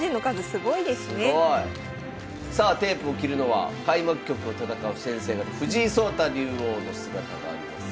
すごい！さあテープを切るのは開幕局を戦う先生方藤井聡太竜王の姿があります。